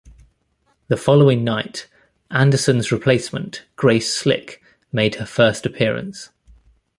The following night, Anderson's replacement Grace Slick made her first appearance.